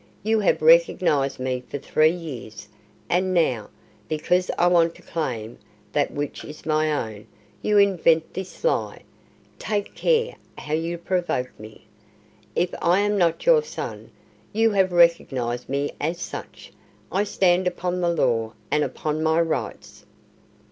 "You have recognized me for three years, and now, because I want to claim that which is my own, you invent this lie. Take care how you provoke me. If I am not your son you have recognized me as such. I stand upon the law and upon my rights."